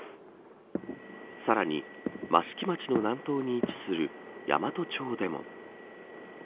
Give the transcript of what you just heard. さらに、益城町の南東に位置する、山都町でも。